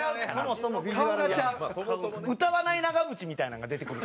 歌わない長渕みたいなのが出てくると思う。